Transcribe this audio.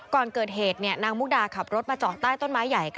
ก่อนเกิดเหตุนางมุกดาขับรถมาจอดใต้ต้นไม้ใหญ่